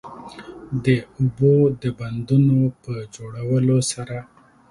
د اوبو د بندونو په جوړولو سره